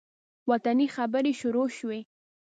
وطني خبرې شروع شوې.